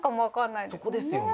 そこですよね！